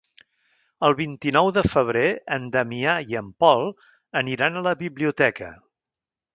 El vint-i-nou de febrer en Damià i en Pol aniran a la biblioteca.